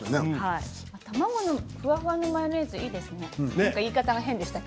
卵のふわふわのマヨネーズいいですね。